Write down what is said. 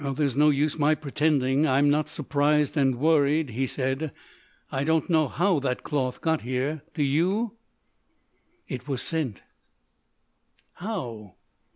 "There's no use my pretending I'm not surprised and worried," he said; "I don't know how that cloth got here. Do you?" "It was sent." "How?"